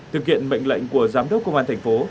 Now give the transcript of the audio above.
thực hiện mệnh lệnh của giám đốc công an thành phố